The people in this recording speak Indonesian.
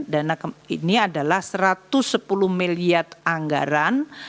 dana ini adalah satu ratus sepuluh miliar anggaran